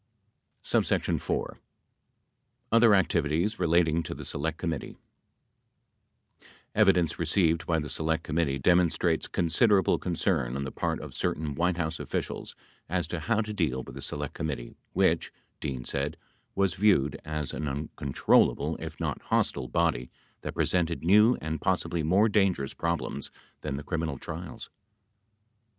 1 4. OTHER ACTIVITIES RELATING TO THE SELECT COMMITTEE Evidence received by the Select Committee demonstrates consider able concern on the part of certain White House officials as to how to deal with the Select Committee, which, Dean said, was viewed as an un controllable, if not hostile, body that presented new and possibly more dangerous problems than the criminal trials.